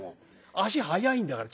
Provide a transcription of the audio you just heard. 足早いんだから。